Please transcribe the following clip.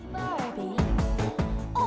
nih lu ngerti gak